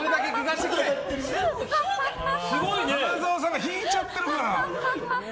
花澤さんが引いちゃってるから。